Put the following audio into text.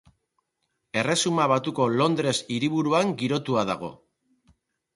Erresuma Batuko Londres hiriburuan girotua dago.